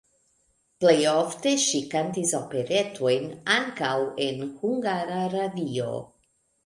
Plej ofte ŝi kantis operetojn, ankaŭ en Hungara Radio.